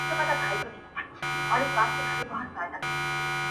نو زنده گي څه كوي”